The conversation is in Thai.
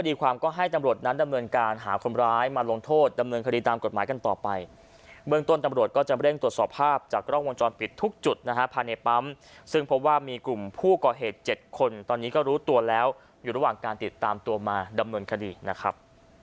ความก็ให้ตำรวจนั้นดำเนินการหาคนร้ายมาลงโทษดำเนินคดีตามกฎหมายกันต่อไปเบื้องต้นตำรวจก็จะเร่งตรวจสอบภาพจากกล้องวงจรปิดทุกจุดนะฮะภายในปั๊มซึ่งพบว่ามีกลุ่มผู้ก่อเหตุ๗คนตอนนี้ก็รู้ตัวแล้วอยู่ระหว่างการติดตามตัวมาดำเนินคดีนะครับ